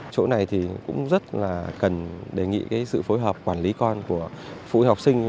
chỗ này thì cũng rất là cần đề nghị sự phối hợp quản lý con của phụ huynh học sinh